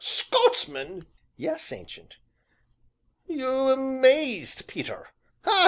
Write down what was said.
"Scotsman!" "Yes, Ancient." "You'm mazed, Peter ah!